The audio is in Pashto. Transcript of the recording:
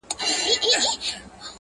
• خر په پوه سوچی لېوه یې غوښي غواړي ,